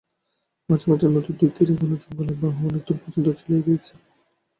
মাঝে মঝে নদীর দুই তীরে ঘন জঙ্গলের বাহু অনেক দূর পর্যন্ত চলিয়া গিয়াছে।